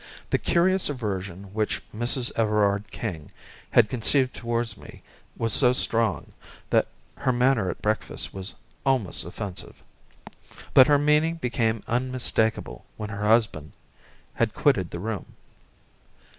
The curious aversion which Mrs. Everard King had conceived towards me was so strong, that her manner at breakfast was almost offensive. But her meaning became unmistakable when her husband had quitted the room.